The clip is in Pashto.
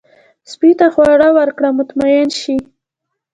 سپي ته خواړه ورکړه، مطمئن شي.